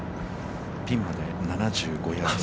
◆ピンまで７５ヤードです。